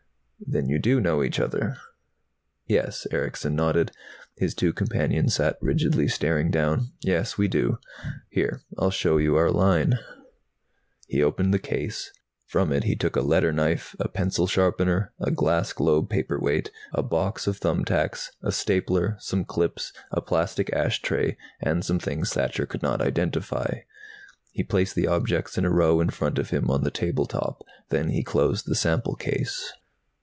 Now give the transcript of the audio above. "Then you do know each other." "Yes." Erickson nodded. His two companions sat rigidly, staring down. "Yes, we do. Here, I'll show you our line." He opened the case. From it he took a letter knife, a pencil sharpener, a glass globe paperweight, a box of thumb tacks, a stapler, some clips, a plastic ashtray, and some things Thacher could not identify. He placed the objects in a row in front of him on the table top. Then he closed the sample case.